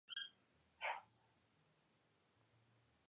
Utilizar datos de corte transversal.